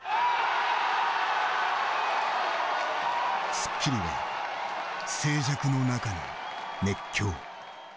『スッキリ』は静寂の中の熱狂。